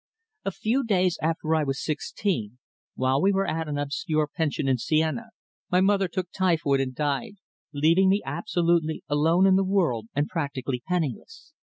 A few days after I was sixteen, while we were at an obscure pension in Siena, my mother took typhoid and died, leaving me absolutely alone in the world, and practically penniless.